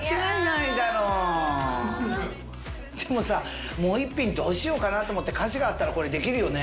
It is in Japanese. いやでもさもう一品どうしようかなって思って菓子があったらこれできるよね